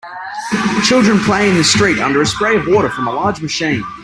Children play in the street under a spray of water from a large machine.